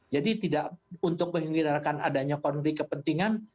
jadi tidak untuk menghilangkan adanya konflik kepentingan